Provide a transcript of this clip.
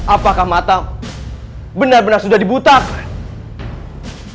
apakah matamu benar benar sudah dibutakan